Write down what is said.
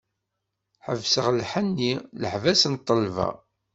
Ḥebseɣ lḥenni, leḥbas n ṭṭelba.